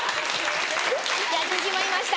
やってしまいました。